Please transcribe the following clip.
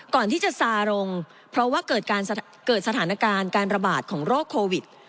ก่อนที่จะซาลงเพราะว่าเกิดการเกิดสถานการณ์การระบาดของโรคโควิด